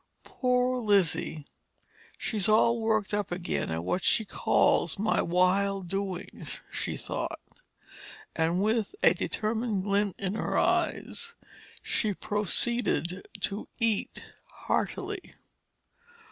"Poor Lizzie! She's all worked up again at what she calls my 'wild doin's'," she thought. And with a determined glint in her eyes, she proceeded to eat heartily.